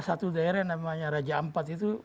satu daerah namanya raja ampat itu